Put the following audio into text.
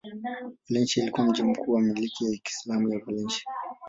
Valencia ilikuwa mji mkuu wa milki ya Kiislamu ya Valencia.